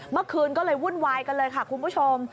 เมื่อคืนก็เลยวุ่นวายกันเลยค่ะคุณผู้ชม